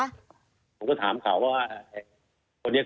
เราก็ถามข่าวว่า